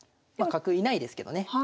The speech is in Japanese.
まあ角居ないですけどね。